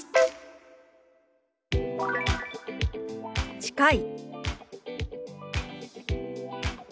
「近い」。